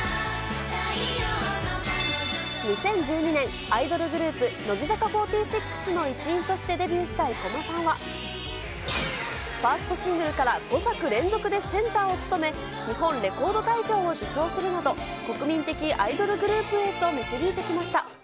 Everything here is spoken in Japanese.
２０１２年、アイドルグループ、乃木坂４６の一員としてデビューした生駒さんは、ファーストシングルから５作連続でセンターを務め、日本レコード大賞を受賞するなど、国民的アイドルグループへと導いてきました。